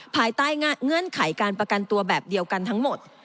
ภายใต้เงื่อนไขการประกันตัวแบบเดียวกันทั้งหมด